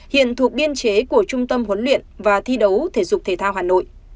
hiện thuộc biên chế của trung tâm huấn luyện và thi đấu thể dục thể thao hà nội